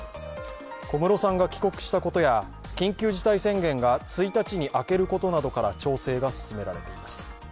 小室さんが帰国したことや緊急事態宣言が１日に明けることなどから調整が進められています。